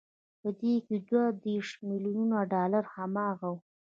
په دې کې دوه دېرش ميليونه ډالر هماغه وو